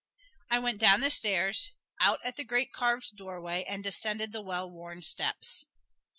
I went down the stairs out at the great carved doorway and descended the well worn steps.